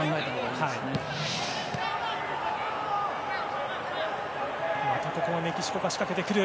またここもメキシコが仕掛けてくる。